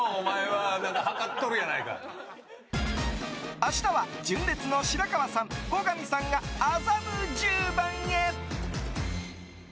明日は純烈の白川さん、後上さんが麻布十番へ。